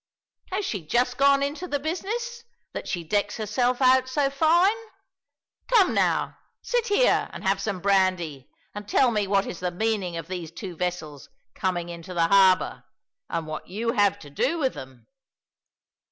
Has she just gone into the business, that she decks herself out so fine? Come now, sit here and have some brandy and tell me what is the meaning of these two vessels coming into the harbour, and what you have to do with them."